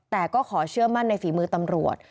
แต่ก็ขอเชื่อมั่นในฝีมือตำรวจ